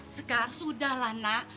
sekar sudahlah nak